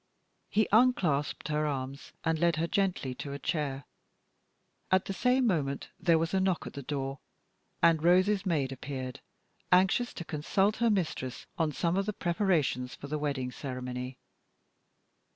He unclasped her arms, and led her gently to a chair. At the same moment there was a knock at the door, and Rose's maid appeared, anxious to consult her mistress on some of the preparations for the wedding ceremony.